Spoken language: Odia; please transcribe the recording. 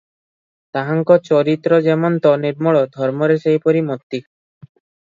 ତାହାଙ୍କ ଚରିତ୍ର ଯେମନ୍ତ ନିର୍ମଳ, ଧର୍ମରେ ସେହିପରି ମତି ।